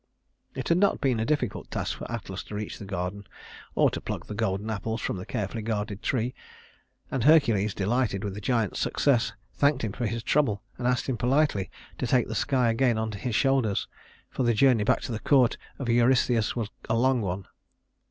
It had not been a difficult task for Atlas to reach the Garden, or to pluck the golden apples from the carefully guarded tree; and Hercules, delighted with the giant's success, thanked him for his trouble and asked him politely to take the sky again on his shoulders, for the journey back to the court of Eurystheus was a long one.